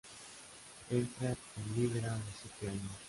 Entra en Libera a los siete años.